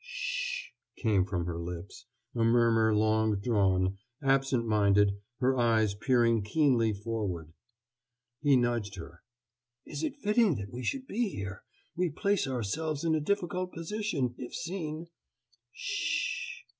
"Sh h h," came from her lips, a murmur long drawn, absent minded, her eyes peering keenly forward. He nudged her. "Is it fitting that we should be here? We place ourselves in a difficult position, if seen." "Sh h h h h...."